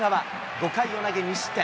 ５回を投げ無失点。